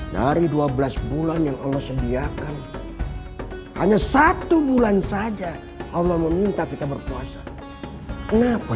dari dua belas bulan yang allah sediakan hanya satu bulan saja allah meminta kita berpuasa kenapa